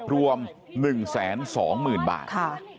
รวม๑๒๐๐๐๐บาท